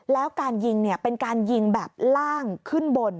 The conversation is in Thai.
แล้วการยิงเป็นการยิงแบบล่างขึ้นบน